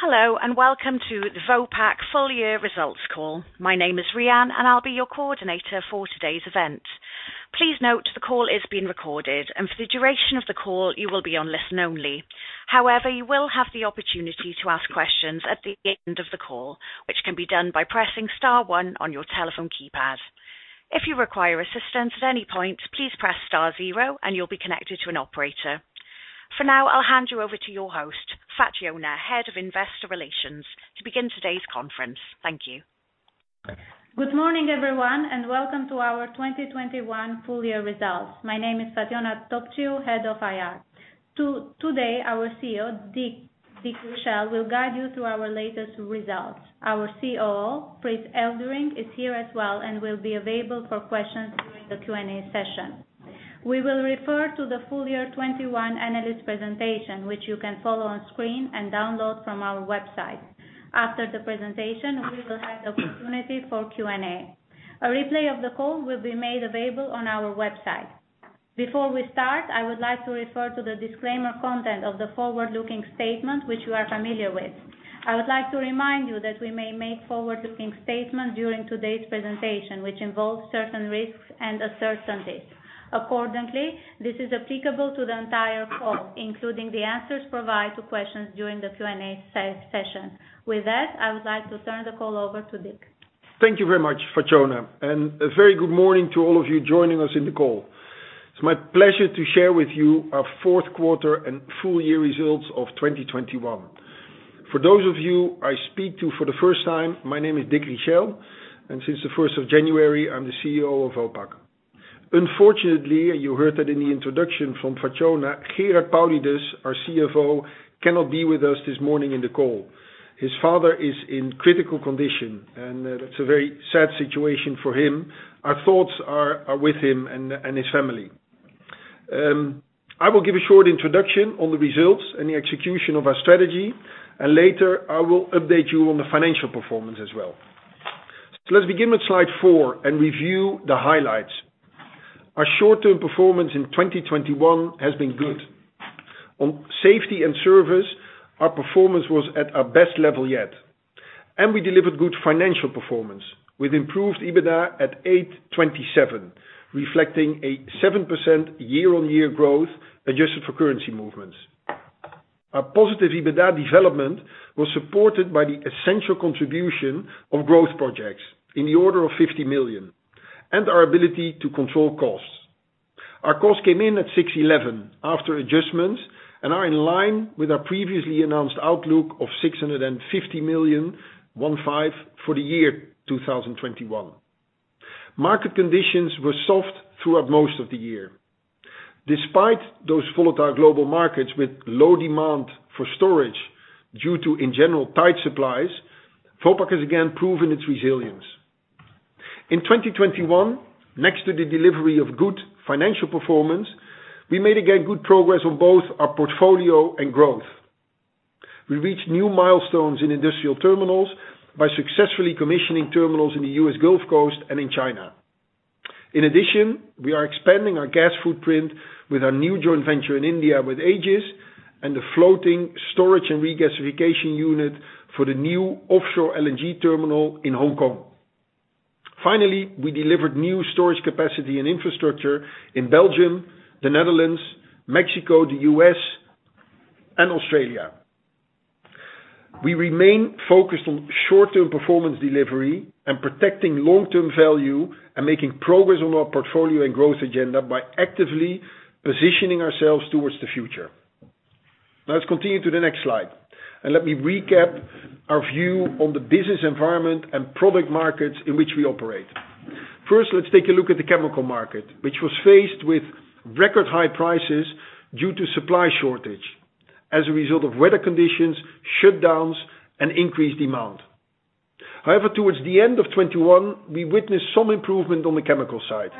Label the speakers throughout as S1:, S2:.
S1: Hello, and welcome to the Vopak Full Year Results Call. My name is Rianne, and I'll be your coordinator for today's event. Please note the call is being recorded, and for the duration of the call, you will be on listen only. However, you will have the opportunity to ask questions at the end of the call, which can be done by pressing star one on your telephone keypad. If you require assistance at any point, please press star zero and you'll be connected to an operator. For now, I'll hand you over to your host, Fatjona, Head of Investor Relations, to begin today's conference. Thank you.
S2: Good morning, everyone, and welcome to our 2021 full year results. My name is Fatjona Topciu, Head of IR. Today our CEO, Dick Richelle, will guide you through our latest results. Our COO, Frits Eulderink, is here as well and will be available for questions during the Q&A session. We will refer to the full year 2021 analyst presentation, which you can follow on screen and download from our website. After the presentation, we will have the opportunity for Q&A. A replay of the call will be made available on our website. Before we start, I would like to refer to the disclaimer content of the forward-looking statement which you are familiar with. I would like to remind you that we may make forward-looking statements during today's presentation, which involves certain risks and uncertainties. Accordingly, this is applicable to the entire call, including the answers provided to questions during the Q&A session. With that, I would like to turn the call over to Dick.
S3: Thank you very much, Fatjona, and a very good morning to all of you joining us in the call. It's my pleasure to share with you our fourth quarter and full year 2021 results. For those of you I speak to for the first time, my name is Dick Richelle, and since 1st of January, I'm the CEO of Vopak. Unfortunately, you heard that in the introduction from Fatjona, Gerard Paulides, our CFO, cannot be with us this morning in the call. His father is in critical condition and that's a very sad situation for him. Our thoughts are with him and his family. I will give a short introduction on the results and the execution of our strategy, and later I will update you on the financial performance as well. Let's begin with Slide 4 and review the highlights. Our short-term performance in 2021 has been good. On safety and service, our performance was at our best level yet. We delivered good financial performance with improved EBITDA at 827 million, reflecting a 7% year-on-year growth adjusted for currency movements. Our positive EBITDA development was supported by the essential contribution of growth projects in the order of 50 million and our ability to control costs. Our costs came in at 611 million after adjustments and are in line with our previously announced outlook of 615 million, one, five, for the year 2021. Market conditions were soft throughout most of the year. Despite those volatile global markets with low demand for storage due to, in general, tight supplies, Vopak has again proven its resilience. In 2021, next to the delivery of good financial performance, we made, again, good progress on both our portfolio and growth. We reached new milestones in industrial terminals by successfully commissioning terminals in the U.S. Gulf Coast and in China. In addition, we are expanding our gas footprint with our new joint venture in India with Aegis and the floating storage and regasification unit for the new offshore LNG terminal in Hong Kong. Finally, we delivered new storage capacity and infrastructure in Belgium, the Netherlands, Mexico, the U.S., and Australia. We remain focused on short-term performance delivery and protecting long-term value and making progress on our portfolio and growth agenda by actively positioning ourselves towards the future. Now let's continue to the next slide and let me recap our view on the business environment and product markets in which we operate. First, let's take a look at the chemical market, which was faced with record high prices due to supply shortage as a result of weather conditions, shutdowns, and increased demand. However, towards the end of 2021, we witnessed some improvement on the chemical side,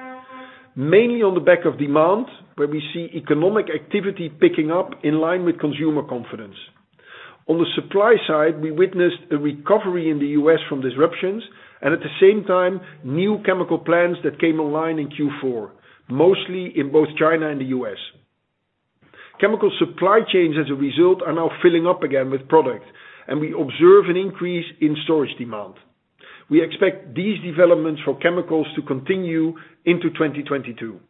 S3: mainly on the back of demand, where we see economic activity picking up in line with consumer confidence. On the supply side, we witnessed a recovery in the U.S. from disruptions and at the same time, new chemical plants that came online in Q4, mostly in both China and the U.S. Chemical supply chains as a result, are now filling up again with product, and we observe an increase in storage demand. We expect these developments for chemicals to continue into 2022.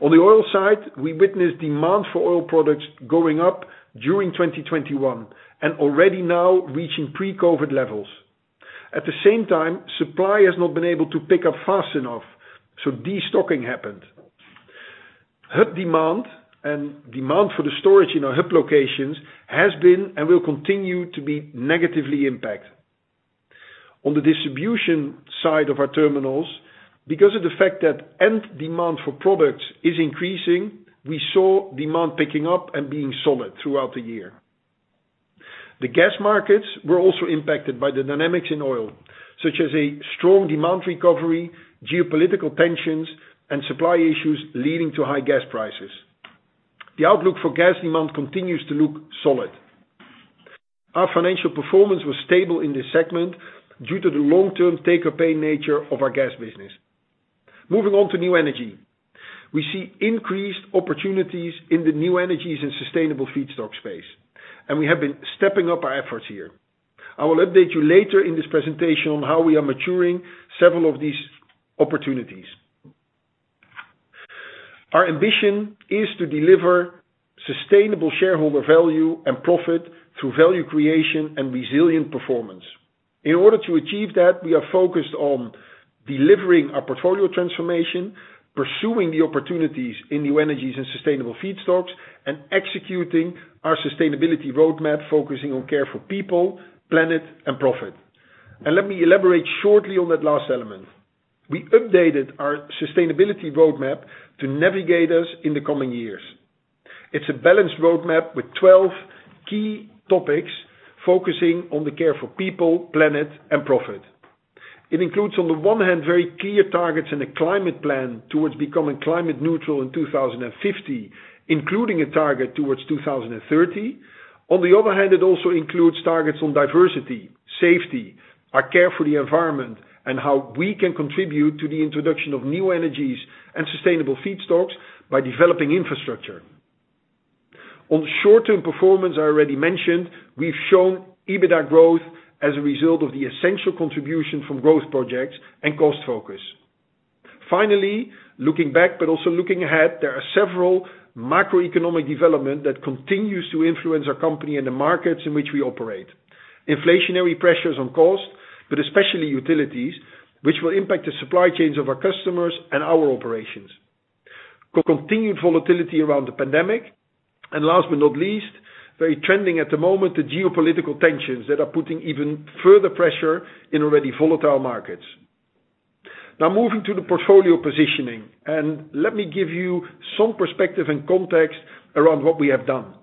S3: On the oil side, we witnessed demand for oil products going up during 2021 and already now reaching pre-COVID levels. At the same time, supply has not been able to pick up fast enough, so destocking happened. Hub demand and demand for the storage in our hub locations has been and will continue to be negatively impacted. On the distribution side of our terminals, because of the fact that end demand for products is increasing, we saw demand picking up and being solid throughout the year. The gas markets were also impacted by the dynamics in oil, such as a strong demand recovery, geopolitical tensions and supply issues leading to high gas prices. The outlook for gas demand continues to look solid. Our financial performance was stable in this segment due to the long-term take-or-pay nature of our gas business. Moving on to new energy. We see increased opportunities in the new energies and sustainable feedstock space, and we have been stepping up our efforts here. I will update you later in this presentation on how we are maturing several of these opportunities. Our ambition is to deliver sustainable shareholder value and profit through value creation and resilient performance. In order to achieve that, we are focused on delivering our portfolio transformation, pursuing the opportunities in new energies and sustainable feedstocks, and executing our sustainability roadmap, focusing on care for people, planet and profit. Let me elaborate shortly on that last element. We updated our sustainability roadmap to navigate us in the coming years. It's a balanced roadmap with 12 key topics focusing on the care for people, planet, and profit. It includes, on the one hand, very clear targets and a climate plan towards becoming climate neutral in 2050, including a target towards 2030. On the other hand, it also includes targets on diversity, safety, our care for the environment, and how we can contribute to the introduction of new energies and sustainable feedstocks by developing infrastructure. On short-term performance, I already mentioned we've shown EBITDA growth as a result of the essential contribution from growth projects and cost focus. Finally, looking back, but also looking ahead, there are several macroeconomic developments that continue to influence our company and the markets in which we operate. Inflationary pressures on costs, but especially utilities, which will impact the supply chains of our customers and our operations. Continued volatility around the pandemic. Last but not least, very trending at the moment, the geopolitical tensions that are putting even further pressure on already volatile markets. Now moving to the portfolio positioning, and let me give you some perspective and context around what we have done.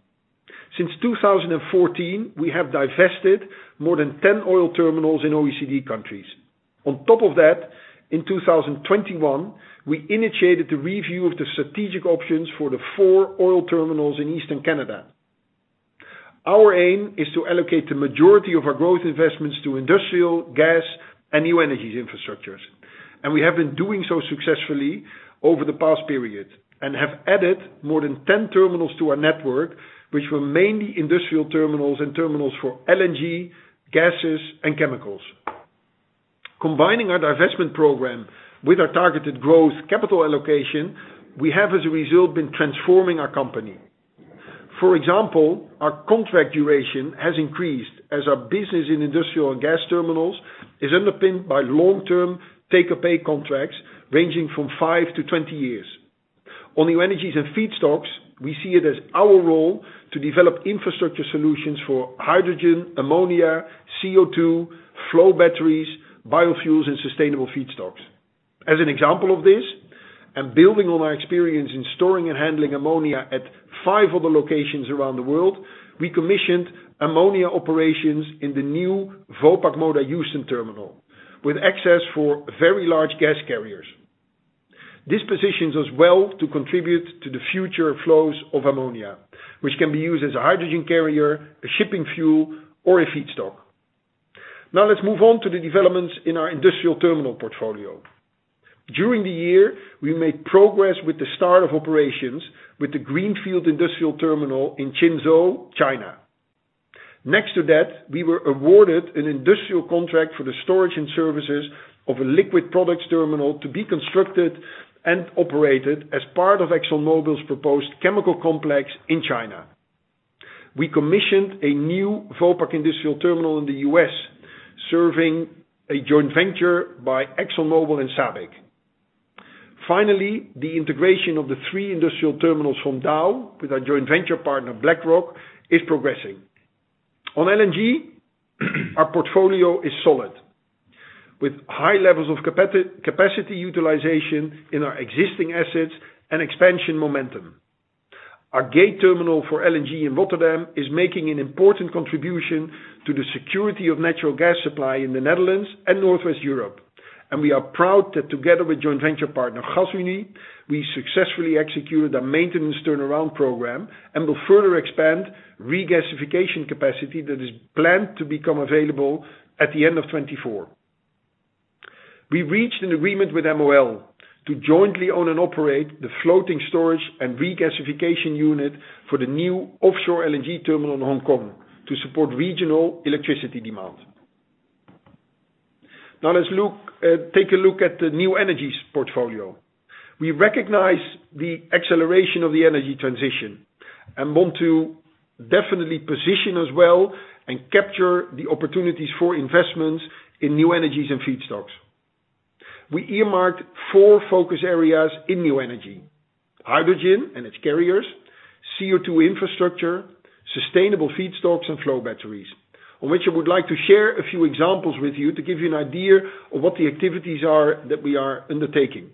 S3: Since 2014, we have divested more than 10 oil terminals in OECD countries. On top of that, in 2021, we initiated the review of the strategic options for the four oil terminals in Eastern Canada. Our aim is to allocate the majority of our growth investments to industrial, gas and new energies infrastructures, and we have been doing so successfully over the past period and have added more than 10 terminals to our network, which were mainly industrial terminals and terminals for LNG, gases and chemicals. Combining our divestment program with our targeted growth capital allocation, we have as a result been transforming our company. For example, our contract duration has increased as our business in industrial and gas terminals is underpinned by long-term take-or-pay contracts ranging from five to 20 years. On new energies and feedstocks, we see it as our role to develop infrastructure solutions for hydrogen, ammonia, CO2, flow batteries, biofuels and sustainable feedstocks. As an example of this, and building on our experience in storing and handling ammonia at five other locations around the world, we commissioned ammonia operations in the new Vopak Moda Houston Terminal with access for very large gas carriers. This positions us well to contribute to the future flows of ammonia, which can be used as a hydrogen carrier, a shipping fuel, or a feedstock. Now let's move on to the developments in our industrial terminal portfolio. During the year, we made progress with the start of operations with the Greenfield industrial terminal in Qinzhou, China. Next to that, we were awarded an industrial contract for the storage and services of a liquid products terminal to be constructed and operated as part of ExxonMobil's proposed chemical complex in China. We commissioned a new Vopak industrial terminal in the U.S., serving a joint venture by ExxonMobil and SABIC. Finally, the integration of the three industrial terminals from Dow with our joint venture partner BlackRock is progressing. On LNG, our portfolio is solid with high levels of capacity utilization in our existing assets and expansion momentum. Our Gate terminal for LNG in Rotterdam is making an important contribution to the security of natural gas supply in the Netherlands and Northwest Europe. We are proud that together with joint venture partner Gasunie, we successfully executed a maintenance turnaround program and will further expand regasification capacity that is planned to become available at the end of 2024. We reached an agreement with MOL to jointly own and operate the floating storage and regasification unit for the new offshore LNG terminal in Hong Kong to support regional electricity demand. Now let's take a look at the new energies portfolio. We recognize the acceleration of the energy transition and want to definitely position as well and capture the opportunities for investments in new energies and feedstocks. We earmarked four focus areas in new energy, hydrogen and its carriers, CO2 infrastructure, sustainable feedstocks and flow batteries on which I would like to share a few examples with you to give you an idea of what the activities are that we are undertaking.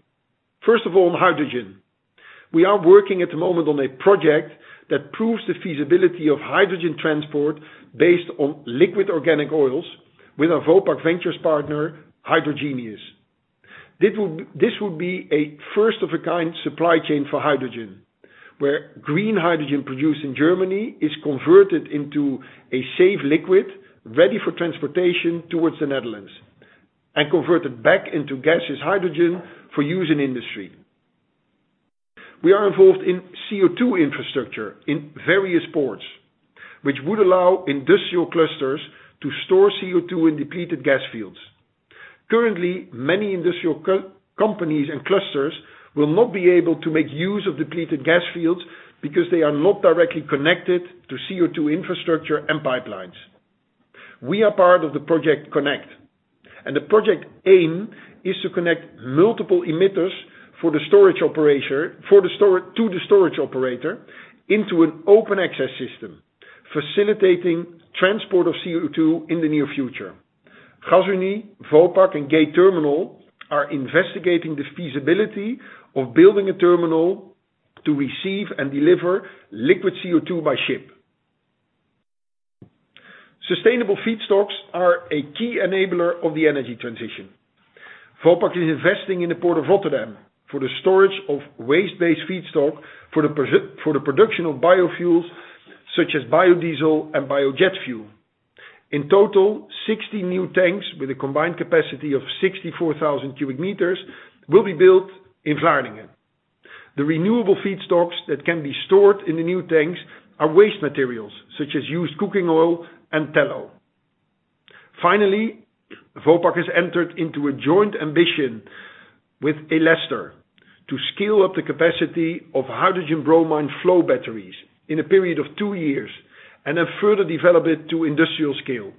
S3: First of all, hydrogen. We are working at the moment on a project that proves the feasibility of hydrogen transport based on liquid organic oils with our Vopak Ventures partner, Hydrogenious. This would be a first of a kind supply chain for hydrogen. Where green hydrogen produced in Germany is converted into a safe liquid, ready for transportation towards the Netherlands, and converted back into gaseous hydrogen for use in industry. We are involved in CO2 infrastructure in various ports, which would allow industrial clusters to store CO2 in depleted gas fields. Currently, many industrial co-companies and clusters will not be able to make use of depleted gas fields because they are not directly connected to CO2 infrastructure and pipelines. We are part of the Project Connect, and the project aim is to connect multiple emitters for the storage operator, to the storage operator into an open access system, facilitating transport of CO2 in the near future. Gasunie, Vopak, and Gate terminal are investigating the feasibility of building a terminal to receive and deliver liquid CO2 by ship. Sustainable feedstocks are a key enabler of the energy transition. Vopak is investing in the port of Rotterdam for the storage of waste-based feedstock for the production of biofuels such as biodiesel and biojet fuel. In total, 60 new tanks with a combined capacity of 64,000 cu m will be built in Vlaardingen. The renewable feedstocks that can be stored in the new tanks are waste materials, such as used cooking oil and tallow. Finally, Vopak has entered into a joint ambition with Elestor to scale up the capacity of hydrogen bromine flow batteries in a period of two years, and then further develop it to industrial scale.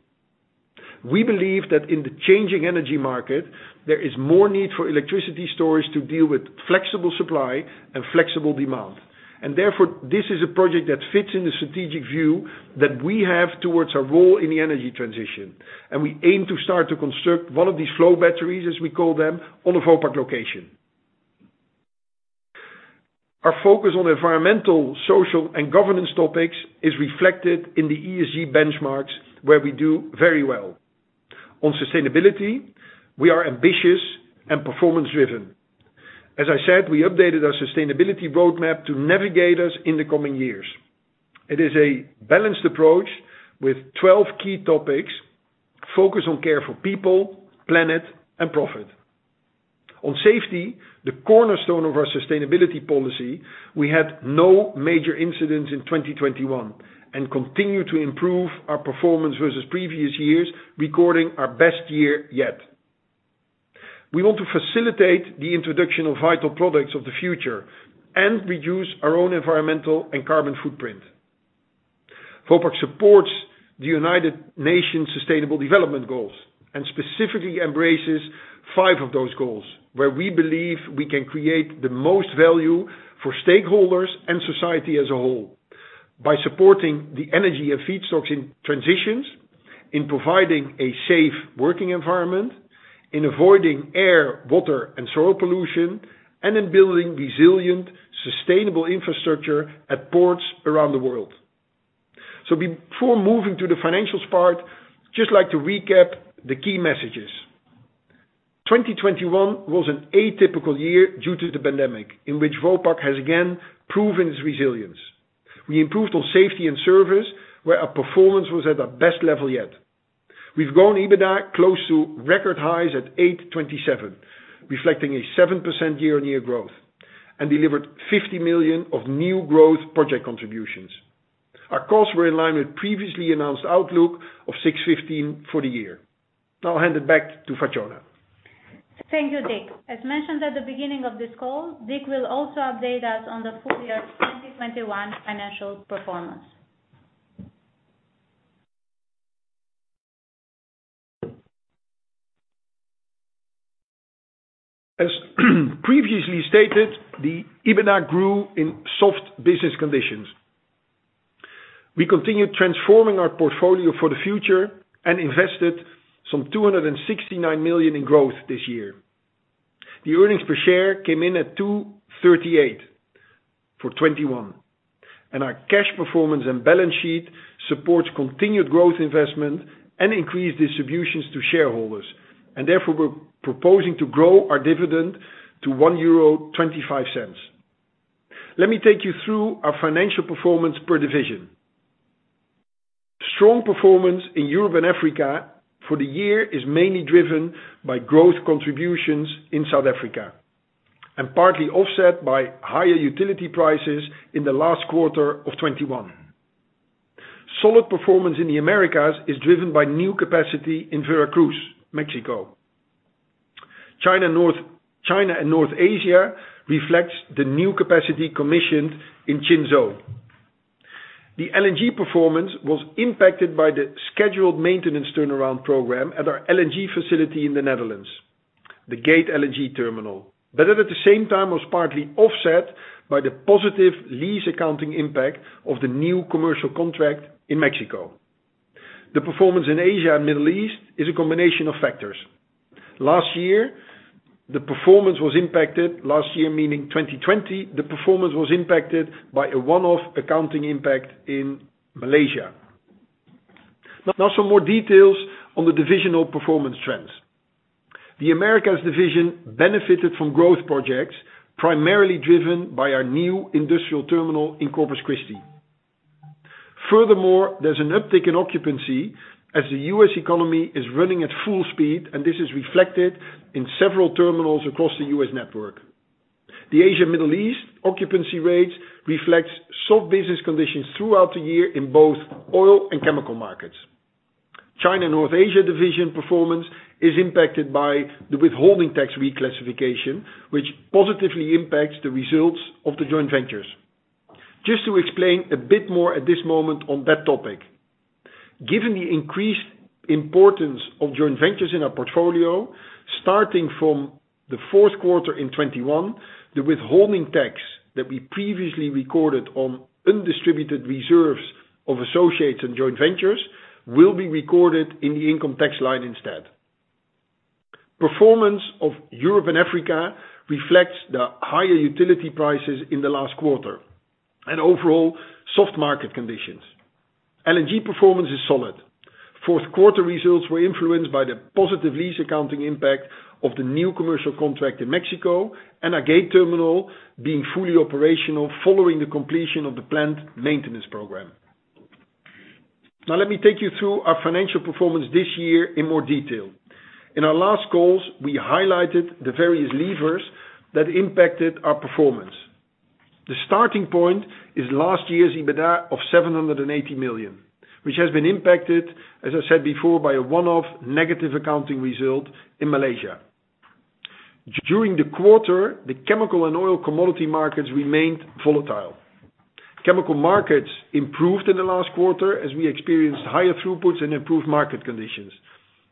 S3: We believe that in the changing energy market, there is more need for electricity storage to deal with flexible supply and flexible demand. Therefore, this is a project that fits in the strategic view that we have towards our role in the energy transition, and we aim to start to construct one of these flow batteries, as we call them, on a Vopak location. Our focus on environmental, social, and governance topics is reflected in the ESG benchmarks where we do very well. On sustainability, we are ambitious and performance driven. As I said, we updated our sustainability roadmap to navigate us in the coming years. It is a balanced approach with 12 key topics focused on care for people, planet, and profit. On safety, the cornerstone of our sustainability policy, we had no major incidents in 2021, and continue to improve our performance versus previous years, recording our best year yet. We want to facilitate the introduction of vital products of the future and reduce our own environmental and carbon footprint. Vopak supports the United Nations Sustainable Development Goals and specifically embraces five of those goals where we believe we can create the most value for stakeholders and society as a whole, by supporting the energy and feedstocks in transitions, in providing a safe working environment, in avoiding air, water, and soil pollution, and in building resilient, sustainable infrastructure at ports around the world. Before moving to the financials part, I'd just like to recap the key messages. 2021 was an atypical year due to the pandemic, in which Vopak has again proven its resilience. We improved on safety and service, where our performance was at our best level yet. We've grown EBITDA close to record highs at 827 million, reflecting a 7% year-on-year growth, and delivered 50 million of new growth project contributions. Our costs were in line with previously announced outlook of 615 million for the year. Now I'll hand it back to Fatjona.
S2: Thank you, Dick. As mentioned at the beginning of this call, Dick will also update us on the full year 2021 financial performance.
S3: As previously stated, the EBITDA grew in soft business conditions. We continued transforming our portfolio for the future and invested 269 million in growth this year. The earnings per share came in at 2.38 for 2021, and our cash performance and balance sheet supports continued growth investment and increased distributions to shareholders. Therefore, we're proposing to grow our dividend to 1.25 euro. Let me take you through our financial performance per division. Strong performance in Europe and Africa for the year is mainly driven by growth contributions in South Africa and partly offset by higher utility prices in Q4 2021. Solid performance in the Americas is driven by new capacity in Veracruz, Mexico. China and North Asia reflects the new capacity commissioned in Qinzhou. The LNG performance was impacted by the scheduled maintenance turnaround program at our LNG facility in the Netherlands, the Gate LNG terminal. At the same time was partly offset by the positive lease accounting impact of the new commercial contract in Mexico. The performance in Asia and Middle East is a combination of factors. Last year, the performance was impacted, last year meaning 2020, the performance was impacted by a one-off accounting impact in Malaysia. Now some more details on the divisional performance trends. The Americas division benefited from growth projects, primarily driven by our new industrial terminal in Corpus Christi. Furthermore, there's an uptick in occupancy as the U.S. economy is running at full speed, and this is reflected in several terminals across the U.S. network. The Asia and Middle East occupancy rates reflects soft business conditions throughout the year in both oil and chemical markets. China and North Asia division performance is impacted by the withholding tax reclassification, which positively impacts the results of the joint ventures. Just to explain a bit more at this moment on that topic. Given the increased importance of joint ventures in our portfolio, starting from the fourth quarter in 2021, the withholding tax that we previously recorded on undistributed reserves of associates and joint ventures will be recorded in the income tax line instead. Performance of Europe and Africa reflects the higher utility prices in the last quarter and overall soft market conditions. LNG performance is solid. Fourth quarter results were influenced by the positive lease accounting impact of the new commercial contract in Mexico and our Gate terminal being fully operational following the completion of the planned maintenance program. Now, let me take you through our financial performance this year in more detail. In our last calls, we highlighted the various levers that impacted our performance. The starting point is last year's EBITDA of 780 million, which has been impacted, as I said before, by a one-off negative accounting result in Malaysia. During the quarter, the chemical and oil commodity markets remained volatile. Chemical markets improved in the last quarter as we experienced higher throughputs and improved market conditions.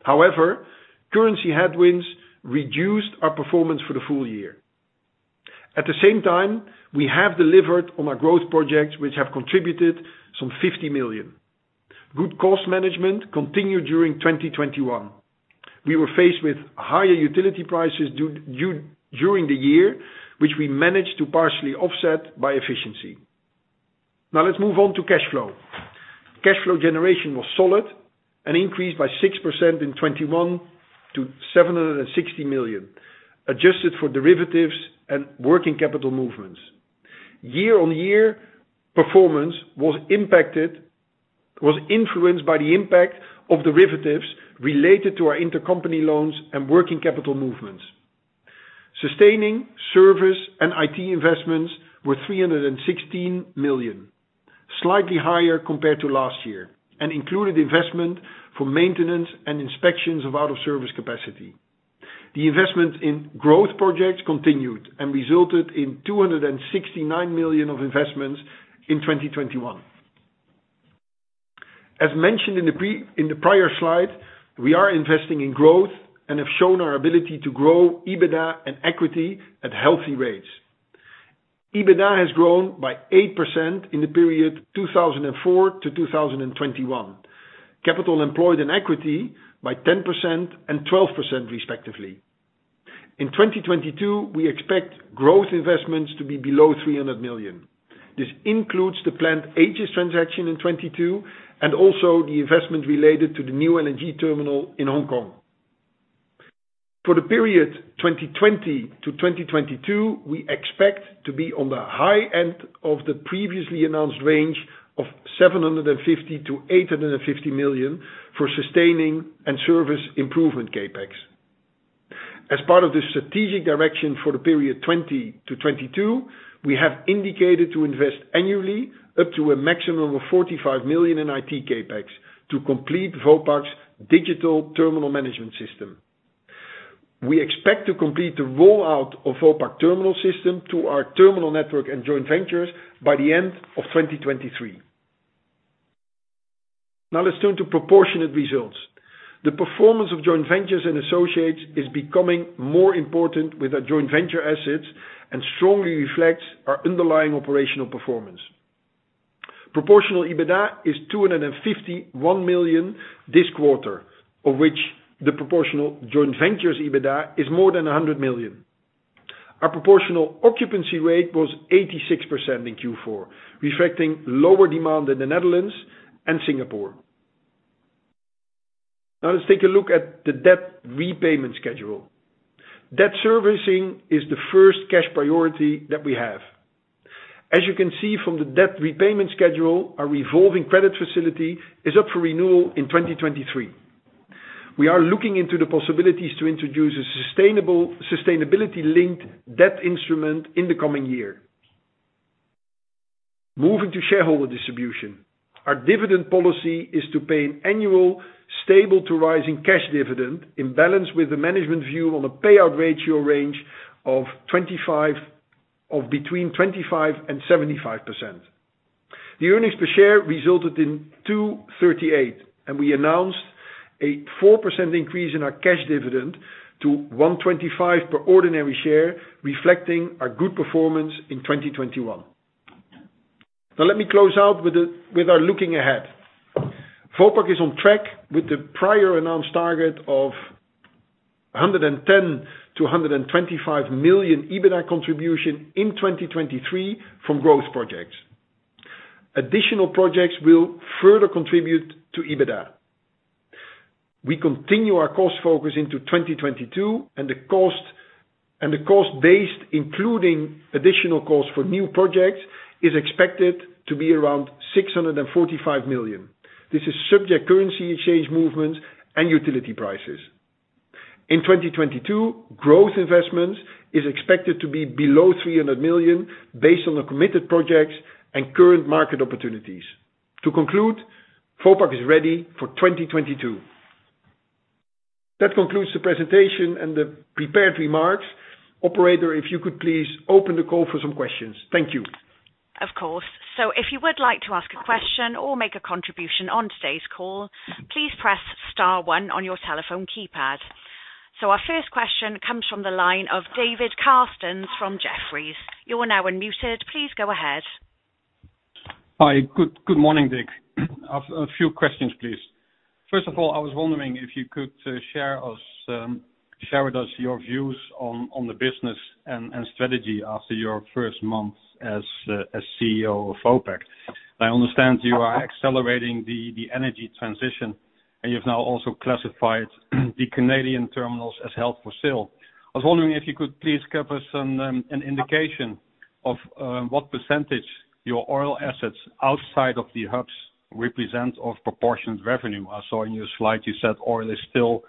S3: However, currency headwinds reduced our performance for the full year. At the same time, we have delivered on our growth projects which have contributed some 50 million. Good cost management continued during 2021. We were faced with higher utility prices during the year, which we managed to partially offset by efficiency. Now let's move on to cash flow. Cash flow generation was solid and increased by 6% in 2021 to 760 million, adjusted for derivatives and working capital movements. Year-on-year performance was influenced by the impact of derivatives related to our intercompany loans and working capital movements. Sustaining service and IT investments were 316 million, slightly higher compared to last year, and included investment for maintenance and inspections of out-of-service capacity. The investment in growth projects continued and resulted in 269 million of investments in 2021. As mentioned in the prior slide, we are investing in growth and have shown our ability to grow EBITDA and equity at healthy rates. EBITDA has grown by 8% in the period 2004 to 2021. Capital employed in equity by 10% and 12% respectively. In 2022, we expect growth investments to be below 300 million. This includes the planned Aegis transaction in 2022 and also the investment related to the new LNG terminal in Hong Kong. For the period 2020-2022, we expect to be on the high end of the previously announced range of 750 million-850 million for sustaining and service improvement CapEx. As part of the strategic direction for the period 2020-2022, we have indicated to invest annually up to a maximum of 45 million in IT CapEx to complete Vopak's digital terminal management system. We expect to complete the rollout of Vopak Terminal System to our terminal network and joint ventures by the end of 2023. Now let's turn to proportionate results. The performance of joint ventures and associates is becoming more important with our joint venture assets and strongly reflects our underlying operational performance. Proportional EBITDA is 251 million this quarter, of which the proportional joint ventures EBITDA is more than 100 million. Our proportional occupancy rate was 86% in Q4, reflecting lower demand in the Netherlands and Singapore. Now let's take a look at the debt repayment schedule. Debt servicing is the first cash priority that we have. As you can see from the debt repayment schedule, our revolving credit facility is up for renewal in 2023. We are looking into the possibilities to introduce a sustainability-linked debt instrument in the coming year. Moving to shareholder distribution. Our dividend policy is to pay an annual stable to rising cash dividend in balance with the management view on a payout ratio range of between 25%-75%. The earnings per share resulted in 2.38, and we announced a 4% increase in our cash dividend to 1.25 per ordinary share, reflecting our good performance in 2021. Now let me close out with our looking ahead. Vopak is on track with the prior announced target of a 110 million-125 million EBITDA contribution in 2023 from growth projects. Additional projects will further contribute to EBITDA. We continue our cost focus into 2022 and the cost base, including additional costs for new projects, is expected to be around 645 million. This is subject to currency exchange movements and utility prices. In 2022, growth investments is expected to be below 300 million based on the committed projects and current market opportunities. To conclude, Vopak is ready for 2022. That concludes the presentation and the prepared remarks. Operator, if you could please open the call for some questions? Thank you.
S1: Of course. If you would like to ask a question or make a contribution on today's call, please press star one on your telephone keypad. Our first question comes from the line of David Kerstens from Jefferies. You are now unmuted. Please go ahead.
S4: Hi. Good morning, Dick. A few questions, please? First of all, I was wondering if you could share with us your views on the business and strategy after your first month as CEO of Vopak? I understand you are accelerating the energy transition, and you've now also classified the Canadian terminals as held for sale. I was wondering if you could please give us an indication of what percentage your oil assets outside of the hubs represent a proportion of revenue? I saw in your slide you said oil is still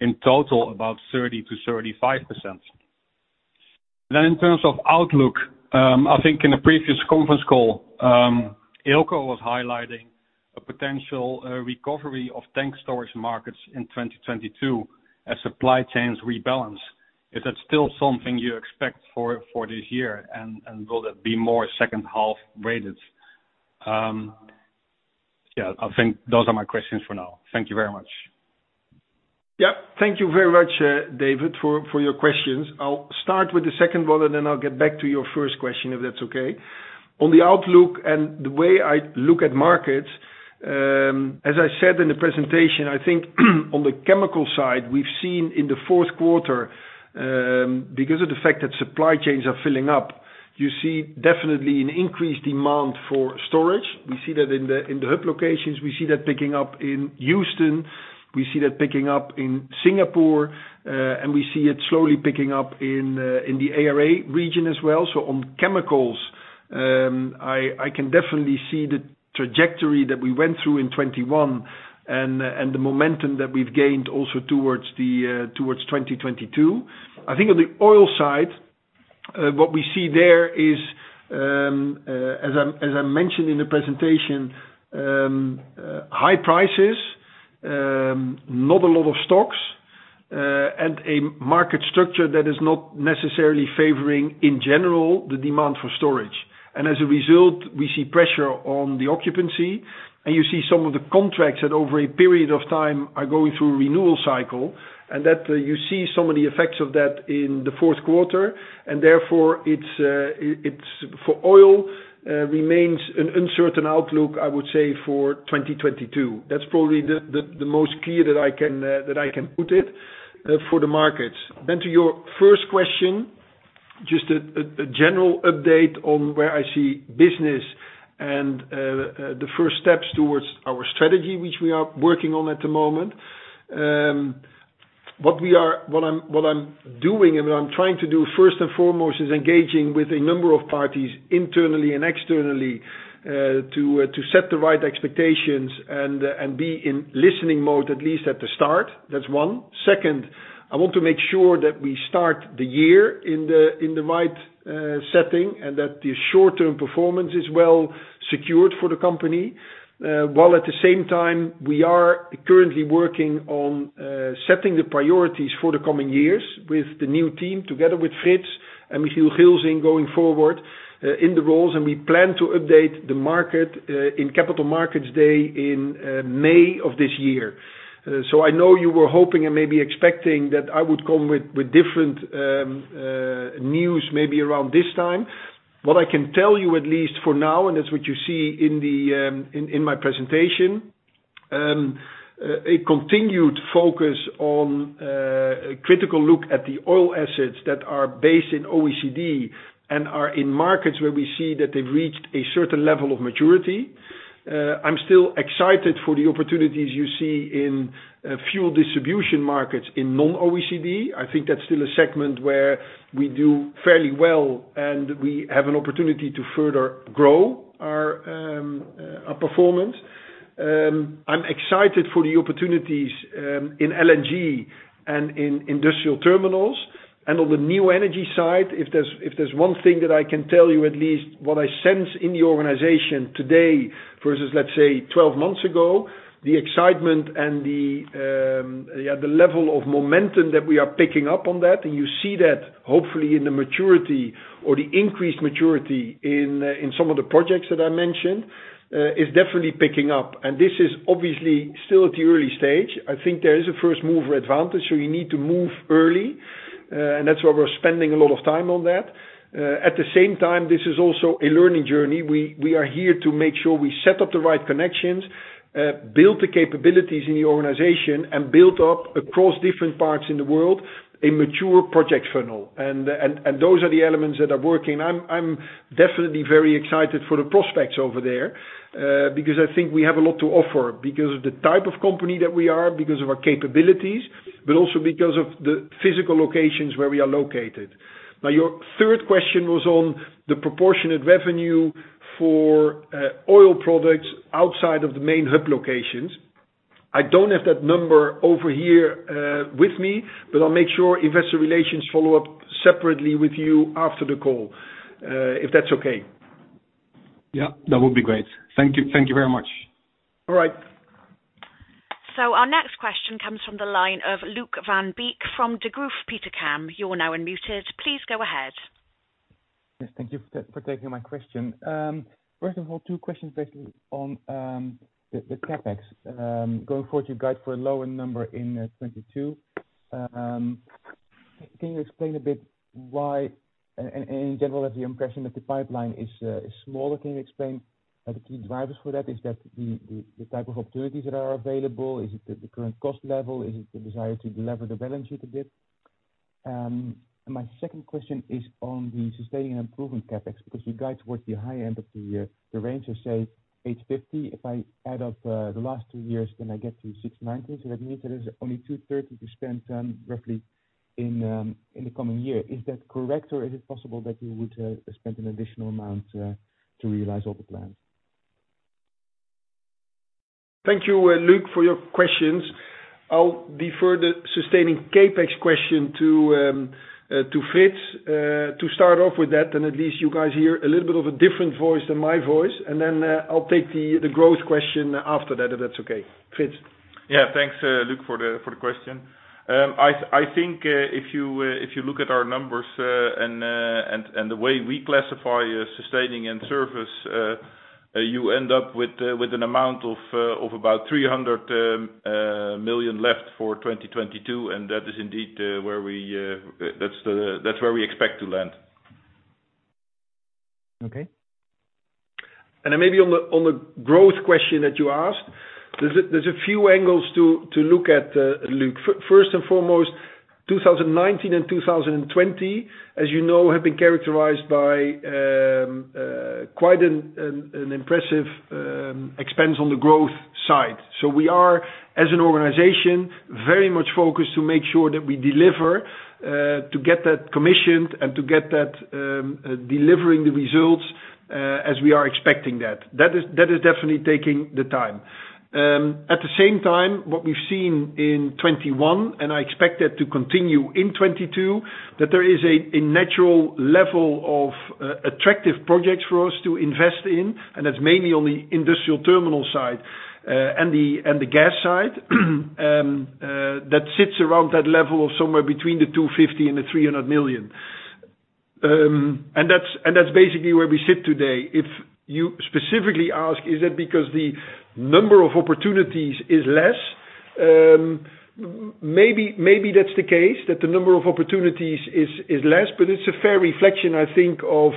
S4: in total about 30%-35%. Then in terms of outlook, I think in the previous conference call, Eelco was highlighting a potential recovery of tank storage markets in 2022 as supply chains rebalance. Is that still something you expect for this year? Will it be more second half weighted? Yeah, I think those are my questions for now. Thank you very much.
S3: Yeah. Thank you very much, David, for your questions. I'll start with the second one, and then I'll get back to your first question, if that's okay? On the outlook and the way I look at markets, as I said in the presentation, I think on the chemical side, we've seen in the fourth quarter, because of the fact that supply chains are filling up, you see definitely an increased demand for storage. We see that in the hub locations. We see that picking up in Houston, we see that picking up in Singapore, and we see it slowly picking up in the ARA region as well. On chemicals, I can definitely see the trajectory that we went through in 2021 and the momentum that we've gained also towards 2022. I think on the oil side, what we see there is, as I mentioned in the presentation, high prices, not a lot of stocks, and a market structure that is not necessarily favoring in general the demand for storage. As a result, we see pressure on the occupancy, and you see some of the contracts that over a period of time are going through a renewal cycle, and that, you see some of the effects of that in the fourth quarter. Therefore it's for oil remains an uncertain outlook, I would say, for 2022. That's probably the most clear that I can put it for the markets. To your first question, just a general update on where I see business and the first steps towards our strategy, which we are working on at the moment. What I'm doing and what I'm trying to do first and foremost is engaging with a number of parties internally and externally to set the right expectations and be in listening mode, at least at the start. That's one. Second, I want to make sure that we start the year in the right setting and that the short-term performance is well secured for the company. While at the same time we are currently working on setting the priorities for the coming years with the new team together with Frits and Michiel Gilsing going forward in the roles, and we plan to update the market in Capital Markets Day in May of this year. I know you were hoping and maybe expecting that I would come with different news maybe around this time. What I can tell you, at least for now, and that's what you see in my presentation, a continued focus on a critical look at the oil assets that are based in OECD and are in markets where we see that they've reached a certain level of maturity. I'm still excited for the opportunities you see in fuel distribution markets in non-OECD. I think that's still a segment where we do fairly well, and we have an opportunity to further grow our performance. I'm excited for the opportunities in LNG and in industrial terminals. On the new energy side, if there's one thing that I can tell you, at least what I sense in the organization today versus, let's say, 12 months ago, the excitement and the yeah, the level of momentum that we are picking up on that, and you see that hopefully in the maturity or the increased maturity in some of the projects that I mentioned is definitely picking up. This is obviously still at the early stage. I think there is a first mover advantage, so you need to move early. That's why we're spending a lot of time on that. At the same time, this is also a learning journey. We are here to make sure we set up the right connections, build the capabilities in the organization, and build up across different parts in the world, a mature project funnel. Those are the elements that are working. I'm definitely very excited for the prospects over there, because I think we have a lot to offer because of the type of company that we are, because of our capabilities, but also because of the physical locations where we are located. Now, your third question was on the proportionate revenue for oil products outside of the main hub locations. I don't have that number over here with me, but I'll make sure investor relations follow up separately with you after the call, if that's okay?
S4: Yeah, that would be great. Thank you. Thank you very much.
S3: All right.
S1: Our next question comes from the line of Luuk van Beek from Degroof Petercam. You're now unmuted. Please go ahead.
S5: Yes, thank you for taking my question. First of all, two questions basically on the CapEx. Going forward, you guide for a lower number in 2022. Can you explain a bit why? And in general, I have the impression that the pipeline is smaller. Can you explain the key drivers for that? Is that the type of opportunities that are available? Is it the current cost level? Is it the desire to deliver the balance sheet a bit? My second question is on the sustaining and improvement CapEx, because you guide towards the high end of the range of, say, 850 million. If I add up the last two years, then I get to 690 million. So that means there is only 230 million to spend roughly in the coming year. Is that correct, or is it possible that you would spend an additional amount to realize all the plans?
S3: Thank you, Luuk, for your questions. I'll defer the sustaining CapEx question to Frits to start off with that, then at least you guys hear a little bit of a different voice than my voice. I'll take the growth question after that, if that's okay. Frits?
S6: Yeah. Thanks, Luuk, for the question. I think if you look at our numbers and the way we classify sustaining and service, you end up with an amount of about 300 million left for 2022, and that is indeed that's where we expect to land.
S5: Okay.
S3: Maybe on the growth question that you asked, there's a few angles to look at, Luuk. First and foremost, 2019 and 2020, as you know, have been characterized by quite an impressive expansion on the growth side. We are, as an organization, very much focused to make sure that we deliver to get that commissioned and to get that delivering the results as we are expecting that. That is definitely taking the time. At the same time, what we've seen in 2021, and I expect that to continue in 2022, that there is a natural level of attractive projects for us to invest in, and that's mainly on the industrial terminal side, and the gas side, that sits around that level of somewhere between 250 million and EUR 300 million. And that's basically where we sit today. If you specifically ask, is that because the number of opportunities is less, maybe that's the case, that the number of opportunities is less, but it's a fair reflection, I think, of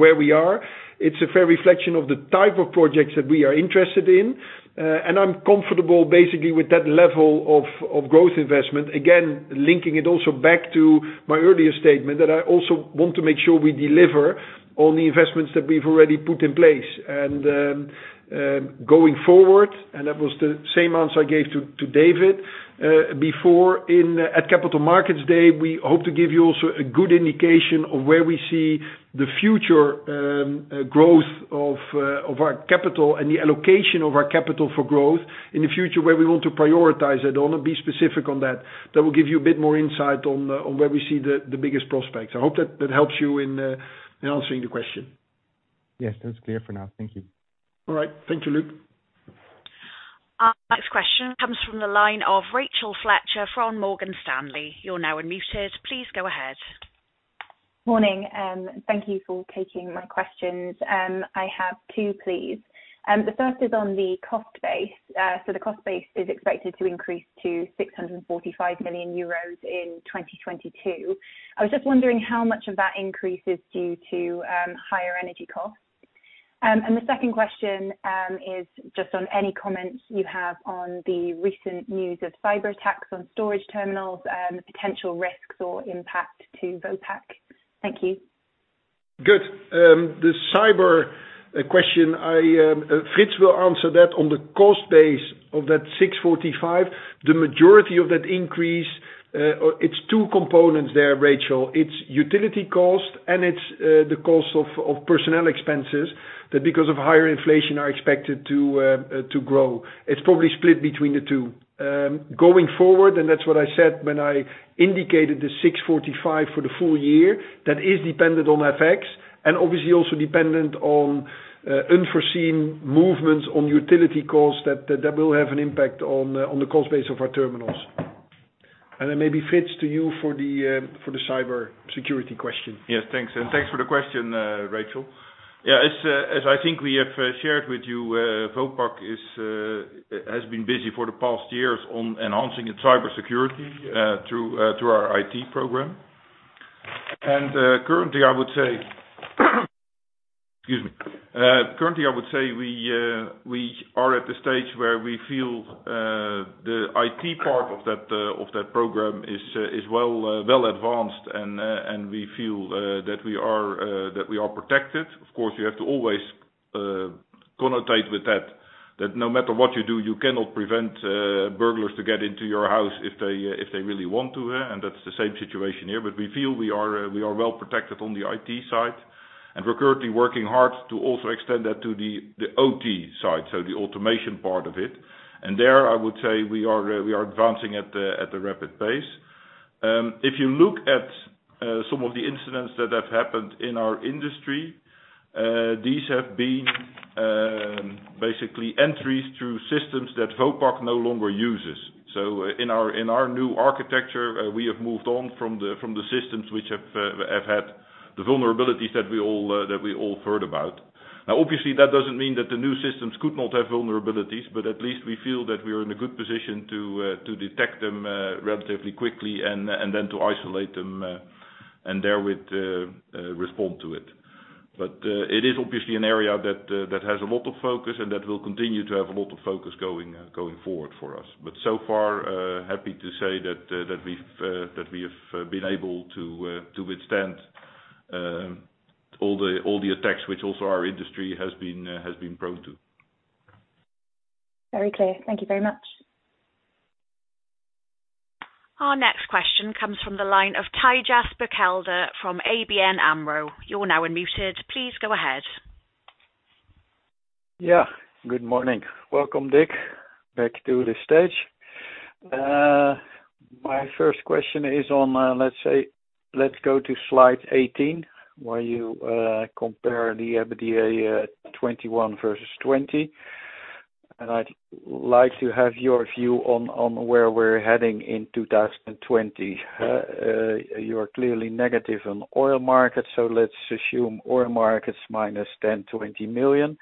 S3: where we are. It's a fair reflection of the type of projects that we are interested in. And I'm comfortable basically with that level of growth investment. Again, linking it also back to my earlier statement that I also want to make sure we deliver on the investments that we've already put in place. Going forward, that was the same answer I gave to David before in at Capital Markets Day, we hope to give you also a good indication of where we see the future growth of our capital and the allocation of our capital for growth in the future, where we want to prioritize it. I wanna be specific on that. That will give you a bit more insight on where we see the biggest prospects. I hope that helps you in answering the question.
S5: Yes. That's clear for now. Thank you.
S3: All right. Thank you, Luuk.
S1: Our next question comes from the line of Rachel Fletcher from Morgan Stanley. You're now unmuted. Please go ahead.
S7: Morning, thank you for taking my questions. I have two, please. The first is on the cost base. So the cost base is expected to increase to 645 million euros in 2022. I was just wondering how much of that increase is due to higher energy costs? The second question is just on any comments you have on the recent news of cyberattacks on storage terminals, potential risks or impact to Vopak? Thank you.
S3: Good. The cyber question, Frits will answer that. On the cost base of that 645 million, the majority of that increase, or it's two components there, Rachel. It's utility cost and it's the cost of personnel expenses that because of higher inflation are expected to grow. It's probably split between the two. Going forward, and that's what I said when I indicated the 645 million for the full year, that is dependent on FX and obviously also dependent on unforeseen movements on utility costs that will have an impact on the cost base of our terminals. Then maybe, Frits, to you for the cybersecurity question.
S6: Yes. Thanks. Thanks for the question, Rachel. Yeah, as I think we have shared with you, Vopak has been busy for the past years on enhancing its cybersecurity through our IT program. Currently, I would say we are at the stage where we feel the IT part of that program is well advanced and we feel that we are protected. Of course, you have to always caveat with that no matter what you do, you cannot prevent burglars to get into your house if they really want to. That's the same situation here. We feel we are well protected on the IT side, and we're currently working hard to also extend that to the OT side, so the automation part of it. There, I would say we are advancing at a rapid pace. If you look at some of the incidents that have happened in our industry, these have been basically entries through systems that Vopak no longer uses. In our new architecture, we have moved on from the systems which have had the vulnerabilities that we all heard about. Now obviously that doesn't mean that the new systems could not have vulnerabilities, but at least we feel that we are in a good position to detect them relatively quickly and then to isolate them and therewith respond to it. It is obviously an area that has a lot of focus and that will continue to have a lot of focus going forward for us. So far, happy to say that we have been able to withstand all the attacks which also our industry has been prone to.
S7: Very clear. Thank you very much.
S1: Our next question comes from the line of Thijs Berkelder from ABN AMRO. You're now unmuted. Please go ahead.
S8: Yeah. Good morning. Welcome, Dick. Back to the stage. My first question is on, let's say, let's go to Slide 18, where you compare the EBITDA, 2021 versus 2020. I'd like to have your view on where we're heading in 2020? You are clearly negative on oil markets, so let's assume oil markets -10 million to -20 million.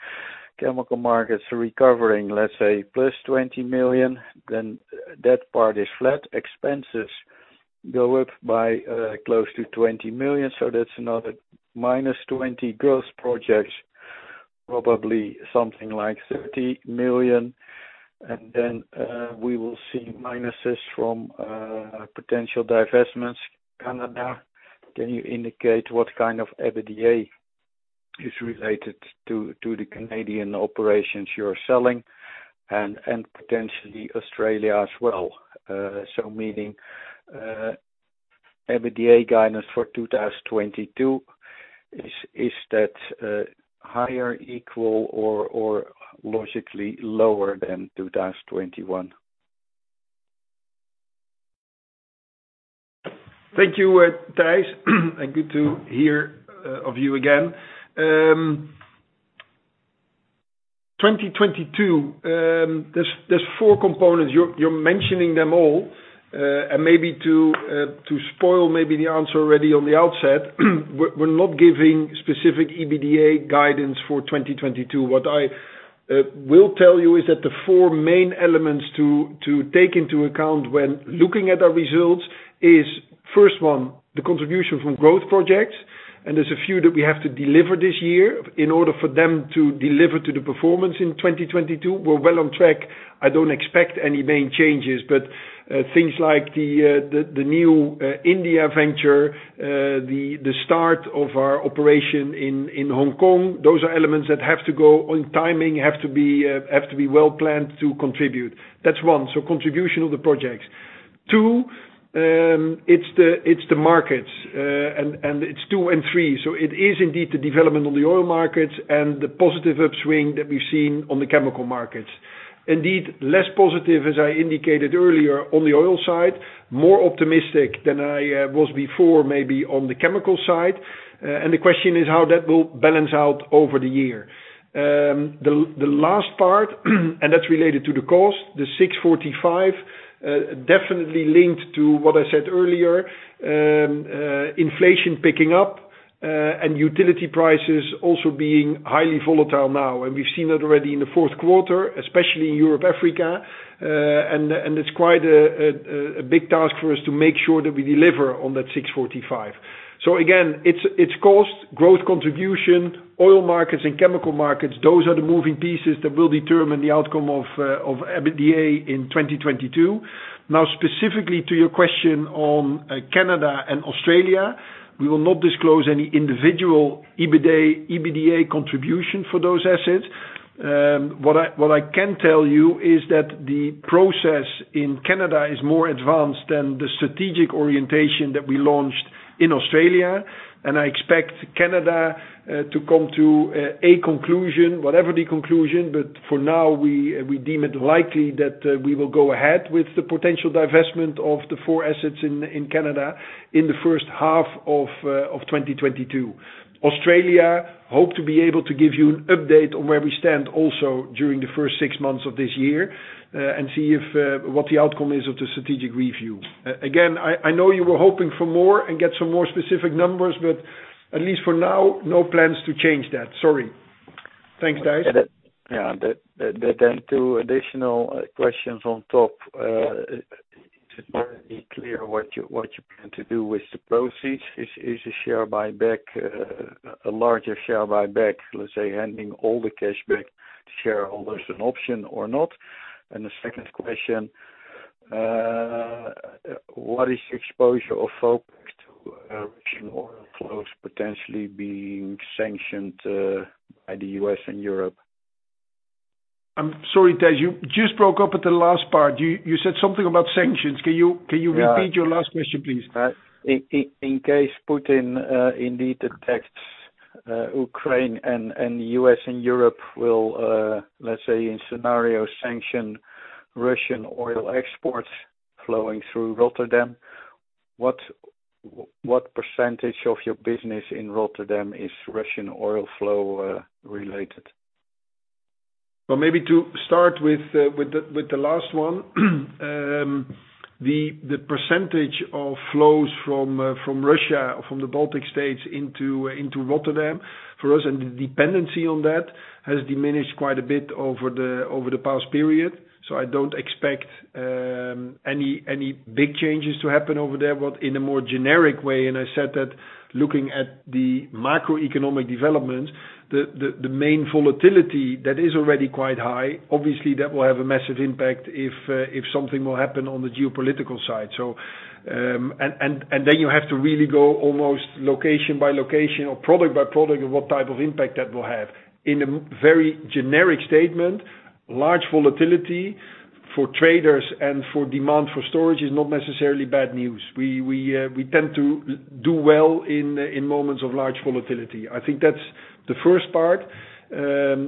S8: Chemical markets recovering, let's say, +20 million. Then that part is flat. Expenses go up by close to 20 million, so that's another -20 million growth projects, probably something like 30 million. We will see minuses from potential divestments, Canada. Can you indicate what kind of EBITDA is related to the Canadian operations you're selling and potentially Australia as well? Meaning, EBITDA guidance for 2022 is that higher, equal or logically lower than 2021?
S3: Thank you, Thijs. Good to hear of you again. 2022, there's four components. You're mentioning them all. Maybe to spoil the answer already on the outset, we're not giving specific EBITDA guidance for 2022. What I will tell you is that the four main elements to take into account when looking at our results is, first one, the contribution from growth projects. There's a few that we have to deliver this year in order for them to deliver to the performance in 2022. We're well on track. I don't expect any main changes. Things like the new India venture, the start of our operation in Hong Kong, those are elements that have to go on timing, have to be well planned to contribute. That's one. Contribution of the projects. Two, it's the markets, and it's two and three. It is indeed the development on the oil markets and the positive upswing that we've seen on the chemical markets. Indeed, less positive, as I indicated earlier, on the oil side, more optimistic than I was before, maybe on the chemical side. The question is how that will balance out over the year? The last part, that's related to the cost, the 645 million, definitely linked to what I said earlier, inflation picking up, and utility prices also being highly volatile now. We've seen that already in the fourth quarter, especially Europe, Africa. It's quite a big task for us to make sure that we deliver on that 645 million. Again, it's cost, growth contribution, oil markets and chemical markets. Those are the moving pieces that will determine the outcome of EBITDA in 2022. Now, specifically to your question on Canada and Australia, we will not disclose any individual EBITDA contribution for those assets. What I can tell you is that the process in Canada is more advanced than the strategic orientation that we launched in Australia. I expect Canada to come to a conclusion, whatever the conclusion. For now, we deem it likely that we will go ahead with the potential divestment of the four assets in Canada in the first half of 2022. Australia, hope to be able to give you an update on where we stand also during the first six months of this year, and see if what the outcome is of the strategic review. Again, I know you were hoping for more and get some more specific numbers, but at least for now, no plans to change that. Sorry. Thanks, Thijs.
S8: Two additional questions on top. It's very clear what you plan to do with the proceeds. Is a share buyback, a larger share buyback, let's say handing all the cash back to shareholders an option or not? The second question, what is the exposure of Vopak to Russian oil flows potentially being sanctioned by the U.S. and Europe?
S3: I'm sorry, Thijs, you just broke up at the last part. You said something about sanctions. Can you repeat your last question, please?
S8: In case Putin indeed attacks Ukraine and the U.S. and Europe will, let's say in scenario, sanction Russian oil exports flowing through Rotterdam, what percentage of your business in Rotterdam is Russian oil flow related?
S3: Well, maybe to start with the last one. The percentage of flows from Russia, from the Baltic States into Rotterdam for us, and the dependency on that has diminished quite a bit over the past period. I don't expect any big changes to happen over there. In a more generic way, I said that looking at the macroeconomic developments, the main volatility that is already quite high, obviously that will have a massive impact if something will happen on the geopolitical side. You have to really go almost location by location or product by product of what type of impact that will have. In a very generic statement, large volatility for traders and for demand for storage is not necessarily bad news. We tend to do well in moments of large volatility. I think that's the first part.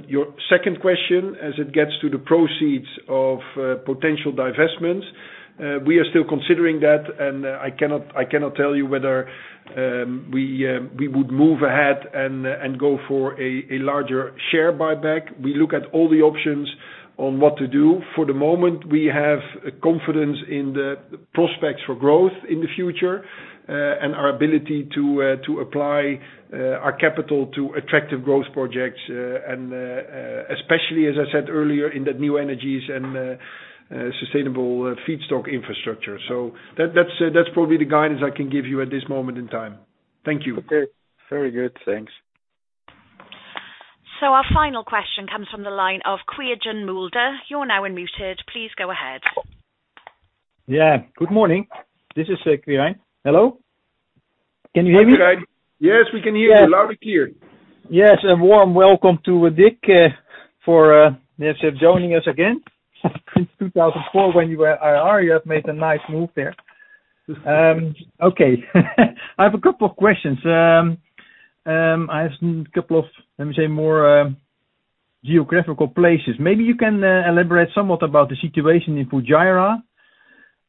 S3: Your second question, as it gets to the proceeds of potential divestments, we are still considering that, and I cannot tell you whether we would move ahead and go for a larger share buyback. We look at all the options on what to do. For the moment, we have confidence in the prospects for growth in the future, and our ability to apply our capital to attractive growth projects, and especially, as I said earlier, in the new energies and sustainable feedstock infrastructure. So that's probably the guidance I can give you at this moment in time. Thank you.
S8: Okay. Very good. Thanks.
S1: Our final question comes from the line of Quirijn Mulder. You're now unmuted. Please go ahead.
S9: Yeah. Good morning. This is Quirijn. Hello? Can you hear me?
S3: Yes, we can hear you loud and clear.
S9: Yes, a warm welcome to Dick for joining us again. Since 2004 when you were IR, you have made a nice move there. Okay. I have a couple of questions. I have a couple of, let me say, more geographical places. Maybe you can elaborate somewhat about the situation in Fujairah?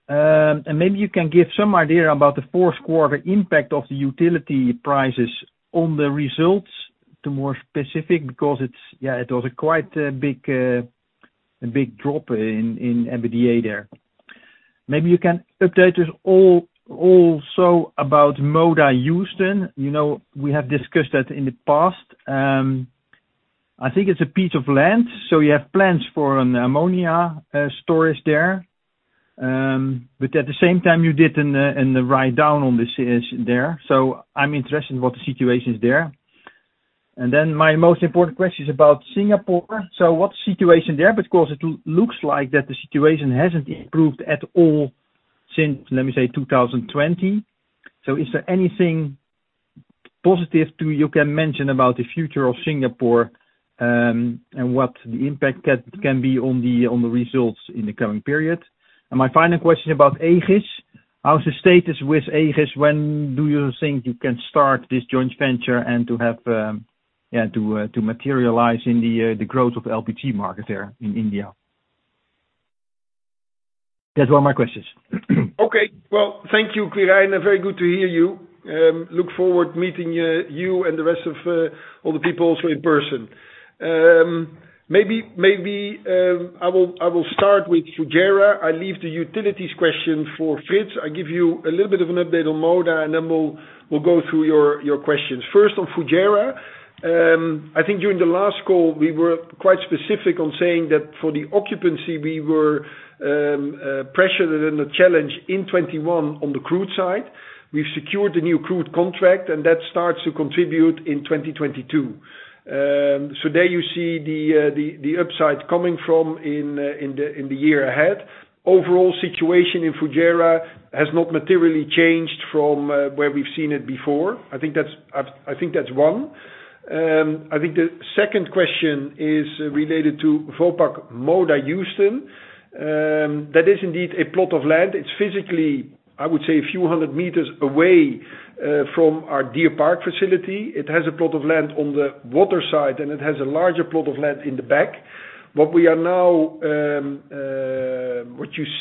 S9: And maybe you can give some idea about the fourth quarter impact of the utility prices on the results to more specific? Because it was a quite a big drop in EBITDA there. Maybe you can update us also about Moda Houston? You know, we have discussed that in the past. I think it's a piece of land? So you have plans for an ammonia storage there. At the same time you did the write-down on this asset there. I'm interested in what the situation is there? Then my most important question is about Singapore. What's the situation there? Because it looks like that the situation hasn't improved at all since, let me say, 2020. Is there anything positive that you can mention about the future of Singapore, and what the impact can be on the results in the coming period? My final question about Aegis. How's the status with Aegis? When do you think you can start this joint venture and to have to materialize in the growth of the LPG market there in India? Those are my questions.
S3: Okay. Well, thank you, Quirijn. Very good to hear you. Look forward to meeting you and the rest of all the people also in person. Maybe I will start with Fujairah. I'll leave the utilities question for Frits. I'll give you a little bit of an update on Moda, and then we'll go through your questions. First on Fujairah, I think during the last call, we were quite specific on saying that for the occupancy, we were pressured and the challenge in 2021 on the crude side. We've secured a new crude contract, and that starts to contribute in 2022. So there you see the upside coming from in the year ahead. Overall situation in Fujairah has not materially changed from where we've seen it before. I think that's one. I think the second question is related to Vopak Moda Houston? That is indeed a plot of land. It's physically, I would say, a few hundred meters away from our Deer Park facility. It has a plot of land on the water side, and it has a larger plot of land in the back. What you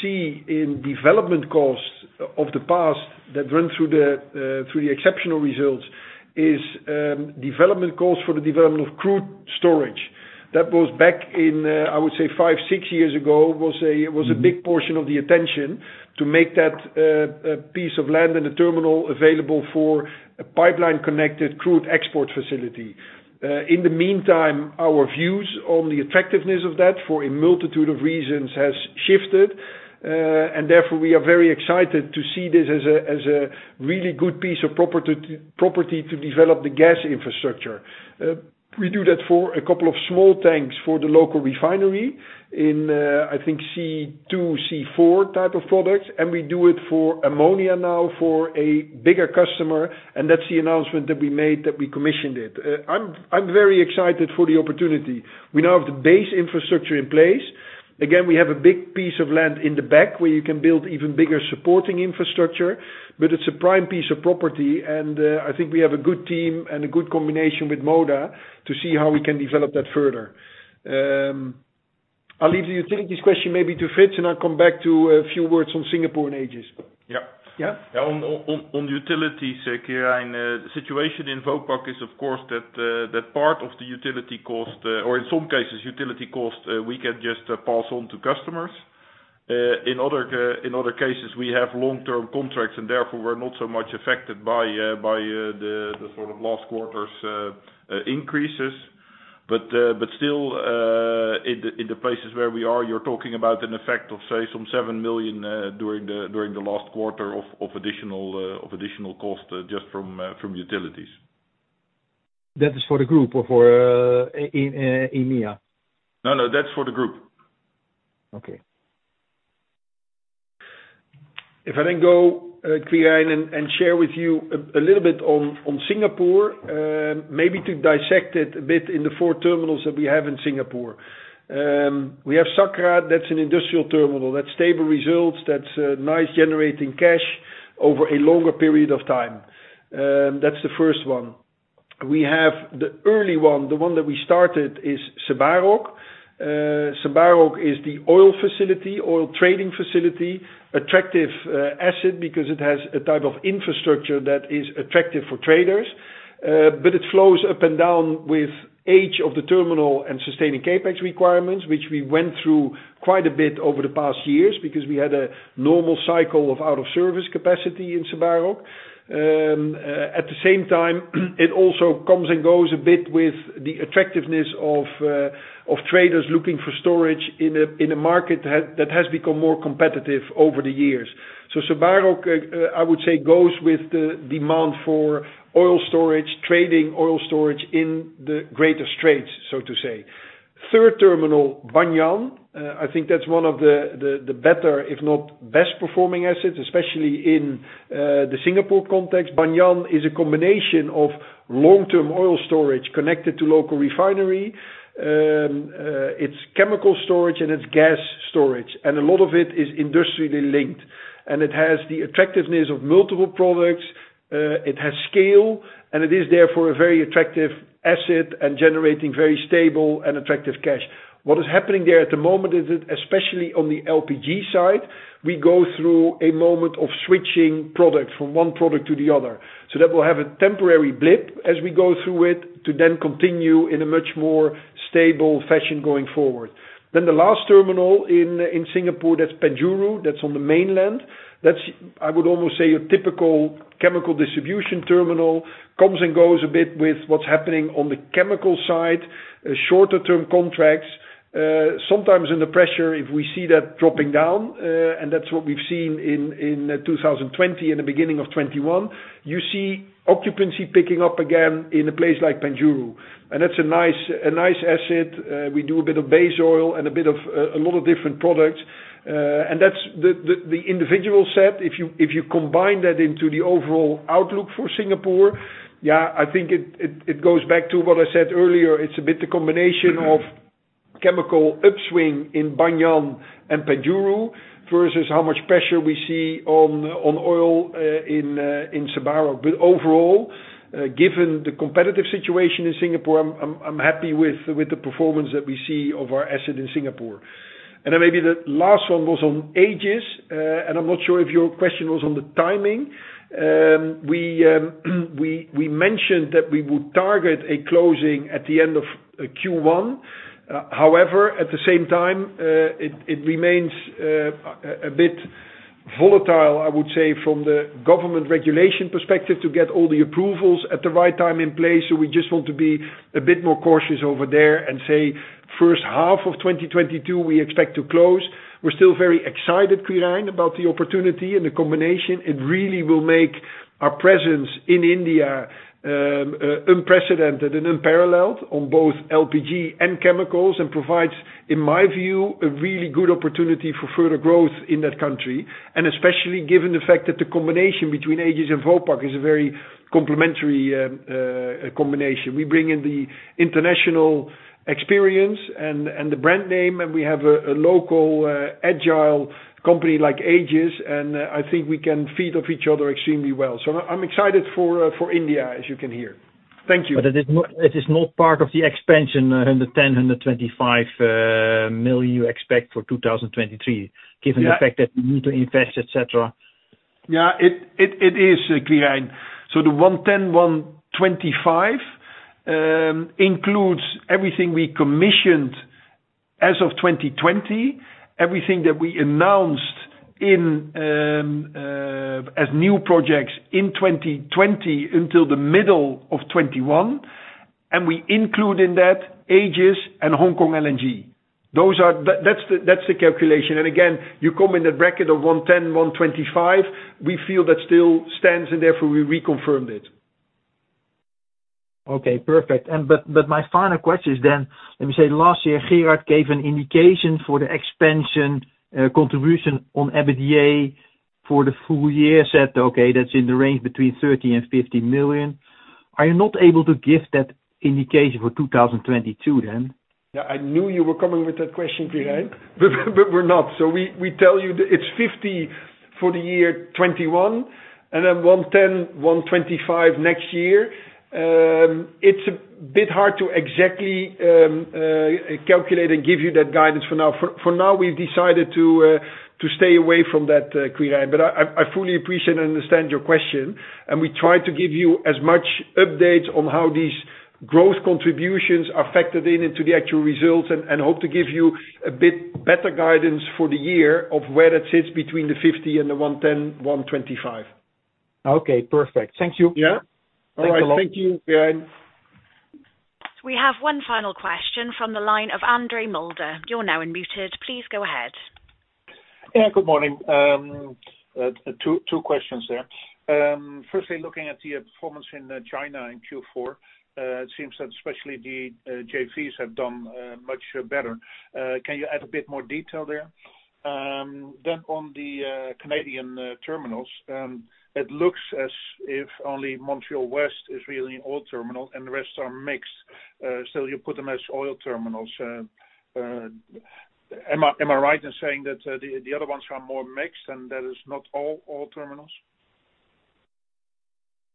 S3: see in development costs of the past that run through the exceptional results is development costs for the development of crude storage. That was back in, I would say five, six years ago. It was a big portion of the attention to make that piece of land and the terminal available for a pipeline connected crude export facility. In the meantime, our views on the attractiveness of that for a multitude of reasons has shifted, and therefore we are very excited to see this as a really good piece of property to develop the gas infrastructure. We do that for a couple of small tanks for the local refinery in, I think C2, C4 type of products, and we do it for ammonia now for a bigger customer, and that's the announcement that we made, that we commissioned it. I'm very excited for the opportunity. We now have the base infrastructure in place. Again, we have a big piece of land in the back where you can build even bigger supporting infrastructure, but it's a prime piece of property and, I think we have a good team and a good combination with Moda to see how we can develop that further. I'll leave the utilities question maybe to Frits, and I'll come back to a few words on Singapore and Aegis.
S6: Yeah.
S3: Yeah.
S6: Utilities, Quirijn, the situation in Vopak is of course that that part of the utility cost, or in some cases utility cost, we can just pass on to customers. In other cases, we have long term contracts, and therefore we're not so much affected by the sort of last quarter's increases. Still, in the places where we are, you're talking about an effect of, say, some 7 million during the last quarter of additional cost just from utilities.
S9: That is for the group or for in EMEA?
S6: No, no, that's for the group.
S9: Okay.
S3: If I then go, Quirijn, and share with you a little bit on Singapore, maybe to dissect it a bit in the four terminals that we have in Singapore. We have Sakra, that's an industrial terminal. That's stable results. That's nice generating cash over a longer period of time. That's the first one. We have the early one, the one that we started is Sebarok. Sebarok is the oil facility, oil trading facility, attractive asset because it has a type of infrastructure that is attractive for traders. But it flows up and down with age of the terminal and sustaining CapEx requirements, which we went through quite a bit over the past years because we had a normal cycle of out of service capacity in Sebarok. At the same time, it also comes and goes a bit with the attractiveness of traders looking for storage in a market that has become more competitive over the years. Sebarok, I would say, goes with the demand for oil storage, trading oil storage in the greater straits, so to say. Third terminal, Banyan. I think that's one of the better, if not best performing assets, especially in the Singapore context. Banyan is a combination of long-term oil storage connected to local refinery. It's chemical storage and it's gas storage, and a lot of it is industrially linked. It has the attractiveness of multiple products. It has scale, and it is therefore a very attractive asset and generating very stable and attractive cash. What is happening there at the moment is that especially on the LPG side, we go through a moment of switching product from one product to the other. That will have a temporary blip as we go through it to then continue in a much more stable fashion going forward. The last terminal in Singapore, that's Penjuru, that's on the mainland. That's, I would almost say, a typical chemical distribution terminal, comes and goes a bit with what's happening on the chemical side, shorter term contracts. Sometimes under pressure, if we see that dropping down, and that's what we've seen in 2020 and the beginning of 2021, you see occupancy picking up again in a place like Penjuru. That's a nice asset. We do a bit of base oil and a bit of a lot of different products. That's the individual set. If you combine that into the overall outlook for Singapore, yeah, I think it goes back to what I said earlier. It's a bit the combination of chemical upswing in Banyan and Penjuru versus how much pressure we see on oil in Sebarok. Overall, given the competitive situation in Singapore, I'm happy with the performance that we see of our asset in Singapore. Maybe the last one was on Aegis? I'm not sure if your question was on the timing? We mentioned that we would target a closing at the end of Q1. However, at the same time, it remains a bit volatile, I would say, from the government regulation perspective to get all the approvals at the right time in place. So we just want to be a bit more cautious over there and say first half of 2022 we expect to close. We're still very excited, Quirijn, about the opportunity and the combination. It really will make our presence in India unprecedented and unparalleled on both LPG and chemicals and provides, in my view, a really good opportunity for further growth in that country. Especially given the fact that the combination between Aegis and Vopak is a very complementary combination. We bring in the international experience and the brand name, and we have a local agile company like Aegis, and I think we can feed off each other extremely well. I'm excited for India, as you can hear. Thank you.
S9: It is not part of the expansion, 110 million-125 million you expect for 2023, given the fact that you need to invest, et cetera?
S3: Yeah, it is clear, so the 110 million-125 million includes everything we commissioned as of 2020. Everything that we announced as new projects in 2020 until the middle of 2021, and we include in that Aegis and Hong Kong LNG. Those are. That's the calculation. Again, you come in the bracket of 110-125, we feel that still stands and therefore we reconfirmed it.
S9: Okay, perfect. My final question is then, let me say last year, Gerard gave an indication for the expansion contribution on EBITDA for the full year. He said, okay, that's in the range between 30 million and 50 million. Are you not able to give that indication for 2022 then?
S3: Yeah, I knew you were coming with that question, Quirijn. We're not. We tell you that it's 50 million for the year 2021 and then 110 million, 125 million next year. It's a bit hard to exactly calculate and give you that guidance for now. For now we've decided to stay away from that, Quirijn. I fully appreciate and understand your question and we try to give you as much updates on how these growth contributions are factored in into the actual results and hope to give you a bit better guidance for the year of where it sits between the 50 million and the 110 million, 125 million.
S9: Okay, perfect. Thank you.
S3: Yeah.
S9: Thanks a lot.
S3: All right. Thank you, Quirijn.
S1: We have one final question from the line of Andre Mulder. You're now unmuted. Please go ahead.
S10: Yeah, good morning. Two questions there. Firstly, looking at the performance in China in Q4, it seems that especially the JVs have done much better. Can you add a bit more detail there? On the Canadian terminals, it looks as if only Montreal West is really an oil terminal and the rest are mixed. You put them as oil terminals. Am I right in saying that the other ones are more mixed and that is not all oil terminals?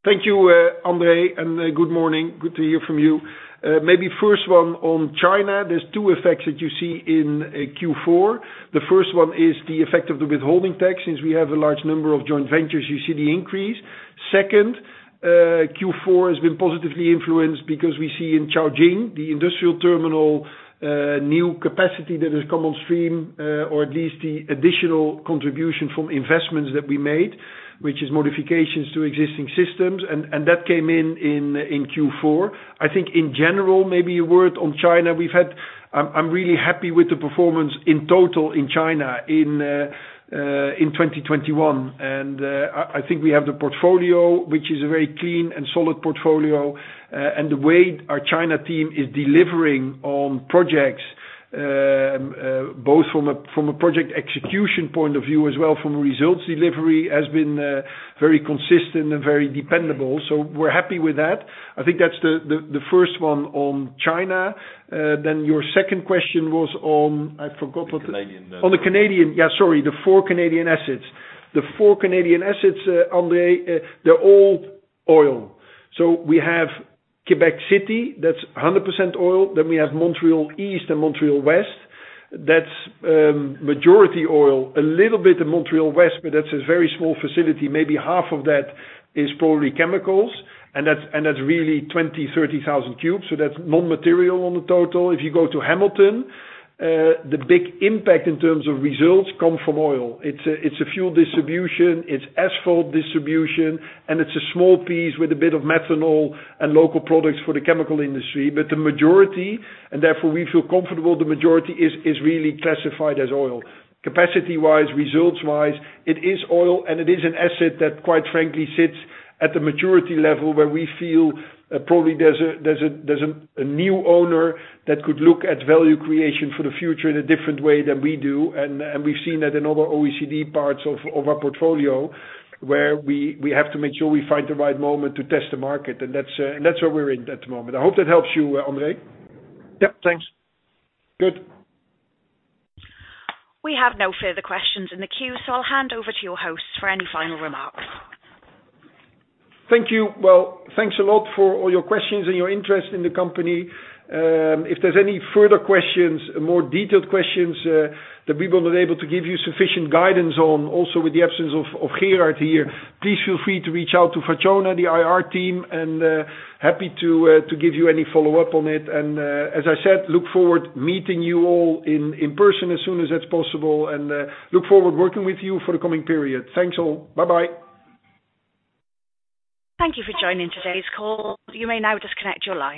S3: Thank you, Andre, and good morning. Good to hear from you. Maybe first one on China. There's two effects that you see in Q4. The first one is the effect of the withholding tax. Since we have a large number of joint ventures, you see the increase. Second, Q4 has been positively influenced because we see in Caojing, the industrial terminal, new capacity that has come on stream, or at least the additional contribution from investments that we made, which is modifications to existing systems. That came in Q4. I think in general, maybe a word on China. I'm really happy with the performance in total in China in 2021. I think we have the portfolio, which is a very clean and solid portfolio. The way our China team is delivering on projects, both from a project execution point of view as well from a results delivery has been very consistent and very dependable. We're happy with that. I think that's the first one on China. Your second question was on, I forgot what-
S10: The Canadian.
S3: The four Canadian assets, Andre, they're all oil. We have Quebec City, that's 100% oil. Then we have Montreal East and Montreal West, that's majority oil. A little bit of Montreal West, but that's a very small facility. Maybe half of that is probably chemicals, and that's really 20,000 cu m-30,000 cu m, so that's non-material on the total. If you go to Hamilton, the big impact in terms of results come from oil. It's a fuel distribution, asphalt distribution, and a small piece with a bit of methanol and local products for the chemical industry. But the majority, and therefore we feel comfortable, the majority is really classified as oil. Capacity-wise, results-wise, it is oil and it is an asset that quite frankly sits at the maturity level where we feel probably there's a new owner that could look at value creation for the future in a different way than we do. We've seen that in other OECD parts of our portfolio where we have to make sure we find the right moment to test the market. That's where we're in at the moment. I hope that helps you, Andre?
S10: Yep. Thanks.
S3: Good.
S1: We have no further questions in the queue, so I'll hand over to your host for any final remarks.
S3: Thank you. Well, thanks a lot for all your questions and your interest in the company. If there's any further questions, more detailed questions, that we were not able to give you sufficient guidance on, also with the absence of Gerard here, please feel free to reach out to Fatjona, the IR team, and happy to give you any follow-up on it. As I said, look forward meeting you all in person as soon as that's possible and look forward working with you for the coming period. Thanks all. Bye-bye.
S1: Thank you for joining today's call. You may now disconnect your line.